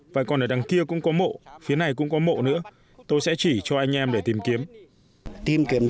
và còn ở đằng kia cũng có mộ phía này cũng có mộ nữa tôi sẽ chỉ cho anh em để tìm kiếm